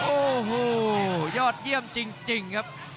โอ้โหยอดเยี่ยมจริงครับ